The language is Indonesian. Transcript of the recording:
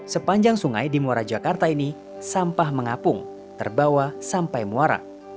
sepanjang sungai di muara jakarta ini sampah mengapung terbawa sampai muara